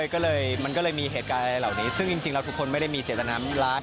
ก็เลยมันก็เลยมีเหตุการณ์อะไรเหล่านี้ซึ่งจริงแล้วทุกคนไม่ได้มีเจตนาร้าย